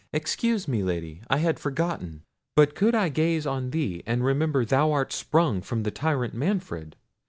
"Excuse me, Lady; I had forgotten. But could I gaze on thee, and remember thou art sprung from the tyrant Manfred!